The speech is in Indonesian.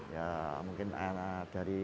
ya mungkin dari